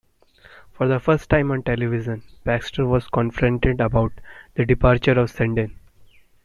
For the first time on television, Baxter was confronted about the departure of Sundin.